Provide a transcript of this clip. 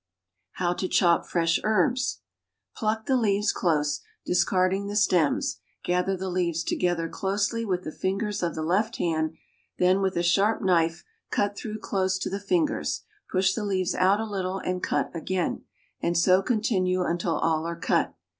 =How to Chop Fresh Herbs.= Pluck the leaves close, discarding the stems; gather the leaves together closely with the fingers of the left hand, then with a sharp knife cut through close to the fingers; push the leaves out a little and cut again, and so continue until all are cut.